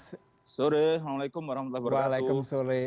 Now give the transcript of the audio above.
selamat sore assalamualaikum warahmatullahi wabarakatuh